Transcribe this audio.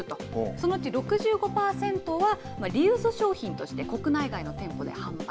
そのうち６５％は、リユース商品として国内外の店舗で販売。